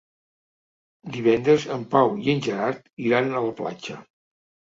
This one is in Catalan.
Divendres en Pau i en Gerard iran a la platja.